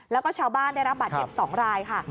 แล้วก็ชาวบ้านได้รับบาดเจ็บ๒รายค่ะ